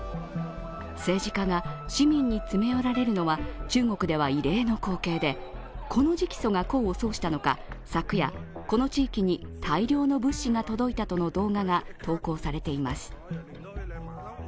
政治家が市民に詰め寄られるのは中国では異例の光景で、この直訴が功を奏したのか昨夜、この地域に大量の物資が届いたとの動画が投稿されています。